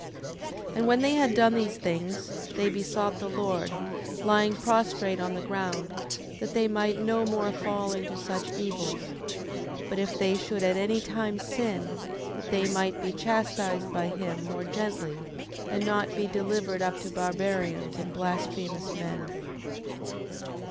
10:4. And when they had done these things, they besought the Lord, lying prostrate on the ground, that they might no more fall into such evils; but if they should at any time sin, that they might be chastised by him more gently, and not be delivered up to barbarians and blasphemous men.